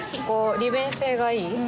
こう利便性がいい。